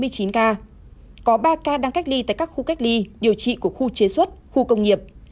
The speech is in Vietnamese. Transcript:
có ba ca đang cách ly tại các khu cách ly điều trị của khu chế xuất khu công nghiệp